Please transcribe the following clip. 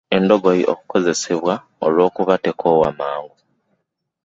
endogoyi ekozesebwa olwokuba tekoowa mangu.